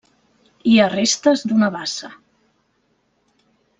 Hi ha restes d'una bassa.